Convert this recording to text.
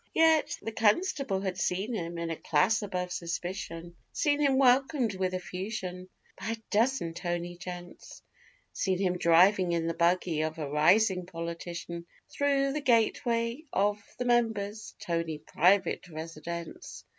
Yet the constable had seen him in a class above suspicion Seen him welcomed with effusion by a dozen 'toney gents' Seen him driving in the buggy of a rising politician Thro' the gateway of the member's toney private residence.